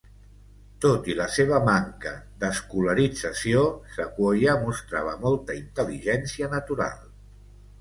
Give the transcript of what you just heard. Tot i la seva manca d'escolarització, Sequoyah mostrava molta intel·ligència natural.